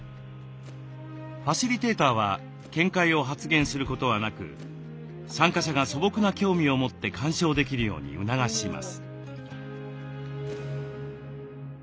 ファシリテーターは見解を発言することはなく参加者が素朴な興味を持って鑑賞できるように促します。